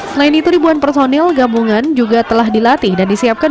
selain itu ribuan personil gabungan juga telah dilatih dan disiapkan